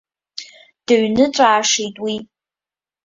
Дыҩныҵәаашеит уи.